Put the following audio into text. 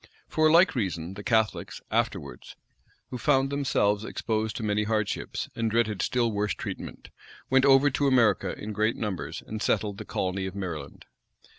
[] For a like reason, the Catholics, afterwards, who found themselves exposed to many hardships, and dreaded still worse treatment went over to America in great numbers, and settled the colony of Maryland.